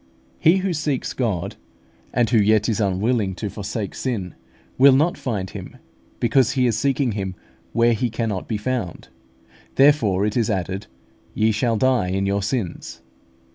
_He who seeks God, and who yet is unwilling to forsake sin, will not find Him, because he is seeking Him where He cannot be found_; therefore it is added, "Ye shall die in your sins."